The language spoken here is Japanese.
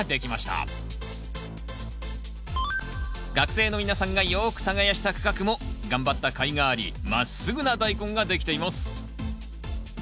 学生の皆さんがよく耕した区画も頑張ったかいがありまっすぐなダイコンができています。